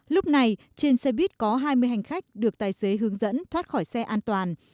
lúc này trên xe buýt có hai mươi hành khách được tài xế hướng dẫn thoát khỏi xe an toàn